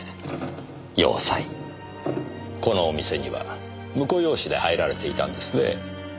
このお店には婿養子で入られていたんですね。